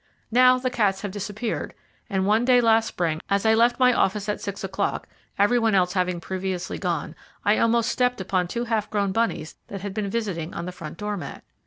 Now the cats have disappeared; and one day last spring, as I left my office at six o'clock, everyone else having previously gone, I almost stepped upon two half grown bunnies that had been visiting on the front door mat.